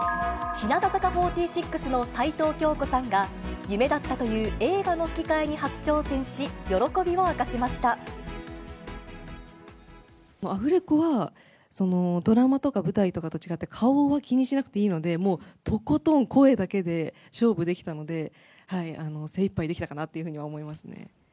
日向坂４６の齊藤京子さんが、夢だったという映画の吹き替えにアフレコは、ドラマとか舞台とかと違って、顔は気にしなくていいので、もうとことん声だけで勝負できたので、精いっぱいできたかなというふうには思いますね。